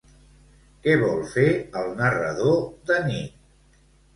Què vol fer el narrador de nit?